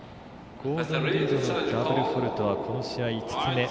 ゴードン・リードのダブルフォールトはこの試合５つ目。